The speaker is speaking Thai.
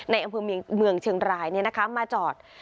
ในอำเภอเมืองเชียงรายนี่นะคะมาจอด